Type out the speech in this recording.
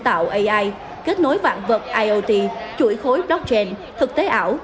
tạo kết nối vạn vật chuỗi khối blockchain thực tế ảo